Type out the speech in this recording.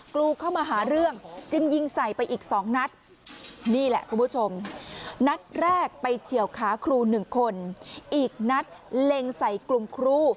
กรูเข้ามาหาเรื่องจึงยิงใส่ไปอีกสองนัดนี่แหละคุณผู้ชมนัดแรกไปเฉียวขาครูหนึ่งคนอีกนัดเล็งใส่กลุ่มครู